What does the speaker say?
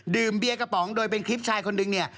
เบียร์กระป๋องโดยเป็นคลิปชายคนนึงเนี่ย